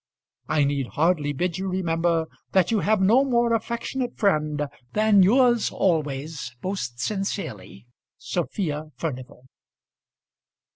I need hardly bid you remember that you have no more affectionate friend Than yours always most sincerely, SOPHIA FURNIVAL.